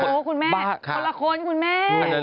โอ้โหคุณแม่คนละคนคุณแม่